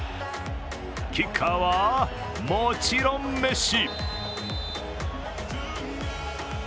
キッカーはもちろんメッシ。